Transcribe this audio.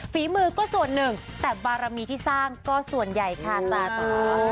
ฝีมือก็ส่วนหนึ่งแต่บารมีที่สร้างก็ส่วนใหญ่ค่ะสาธุ